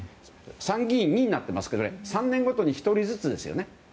参議院になってますけど３年ごとに１人ずつですよね。